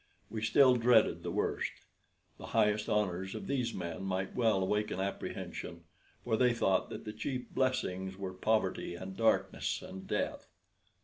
We still dreaded the worst. The highest honors of these men might well awaken apprehension; for they thought that the chief blessings were poverty and darkness and death.